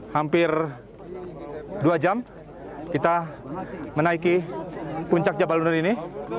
hampir dua jam kita menaiki puncak jabal nur ini